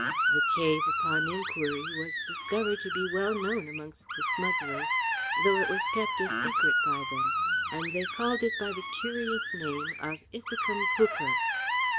The cave, upon inquiry, was discovered to be well known amongst the smugglers, though it was kept a secret by them, and they called it by the curious name of Issachum Pucchar.